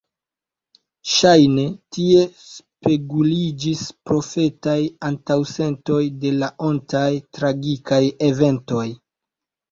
Ŝajne, tie speguliĝis profetaj antaŭsentoj de la ontaj tragikaj eventoj.